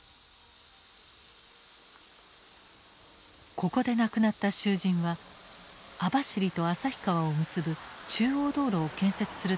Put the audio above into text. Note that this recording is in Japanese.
ここで亡くなった囚人は網走と旭川を結ぶ中央道路を建設するために動員された。